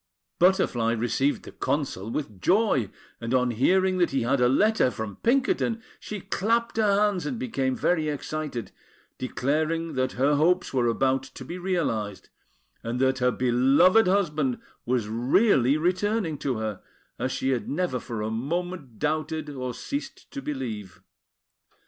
Butterfly received the Consul with joy; and on hearing that he had a letter from Pinkerton, she clapped her hands and became very excited, declaring that her hopes were about to be realised, and that her beloved husband was really returning to her, as she had never for a moment doubted, or ceased to believe.